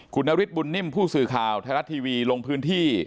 คุณนฤทธบุญนิ่มผู้สื่อข่าวไทยรัฐทีวีลงพื้นที่